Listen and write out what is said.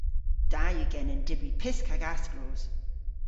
Da yw genen dybri pysk hag asklos.